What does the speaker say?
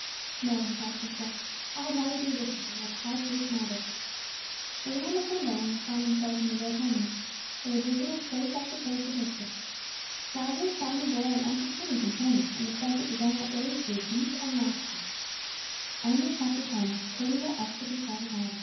"No," he thought to himself; "I'd rather be with Him than wear the High Priest's mitre." It was almost sundown when they found themselves on the road homeward. They had visited place after place of interest. Lazarus found the boy an entertaining companion, and the friendship begun that day grew deep and lasting. CHAPTER XI. "WHAT are you looking for, grandfather?"